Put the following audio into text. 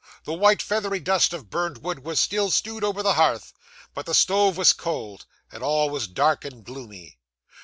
The white feathery dust of burned wood was still strewed over the hearth, but the stove was cold, and all was dark and gloomy.